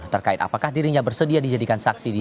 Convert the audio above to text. terkait apakah dirinya bersedia dijadikan saksi